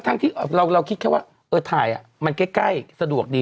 ที่เราคิดแค่ว่าถ่ายมันใกล้สะดวกดี